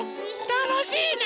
たのしいね！